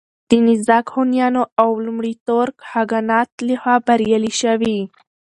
د نېزاک هونيانو او لومړي تورک خاگانات له خوا بريالي شوي